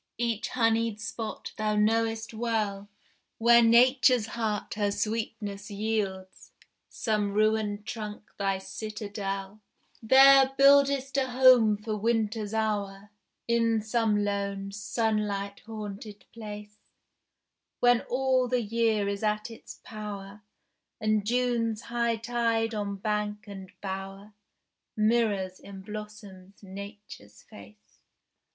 Each honeyed spot thou knowest well Where Nature's heart her sweetness yields, Some ruined trunk thy citadel; There buildest a home for Winter's hour In some lone, sunlight haunted place, When all the year is at its power, And June's high tide on bank and bower Mirrors in blossoms Nature's face.